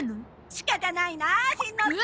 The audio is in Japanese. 仕方ないなしんのすけ。